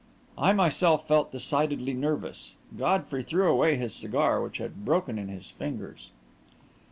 I myself felt decidedly nervous. Godfrey threw away his cigar, which had broken in his fingers.